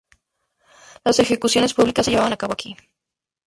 Las ejecuciones públicas se llevaban a cabo aquí.